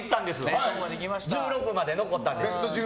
ベスト１６まで残ったんです。